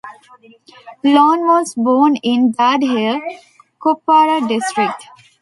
Lone was born in Dard Hare, Kupwara District.